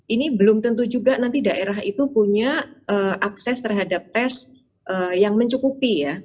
ini belum tentu juga nanti daerah itu punya akses terhadap tes yang mencukupi ya